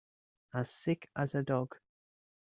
As sick as a dog.